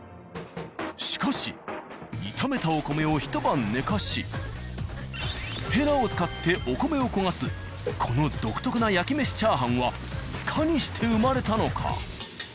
しかし炒めたお米をひと晩寝かしヘラを使ってお米を焦がすこの独特な焼き飯チャーハンはいかにして生まれたのか？